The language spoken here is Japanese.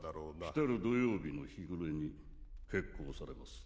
きたる土曜日の日暮れに決行されます